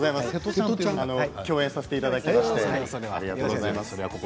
共演させていただきましてありがとうございます。